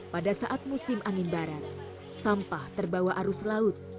pada saat musim angin barat sampah terbawa arus laut